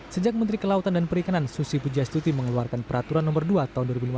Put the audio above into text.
sejak menteri kelautan dan perikanan susi pujastuti mengeluarkan peraturan nomor dua tahun dua ribu lima belas